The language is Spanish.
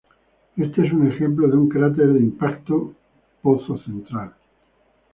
Este es un ejemplo de un cráter de impacto pozo central.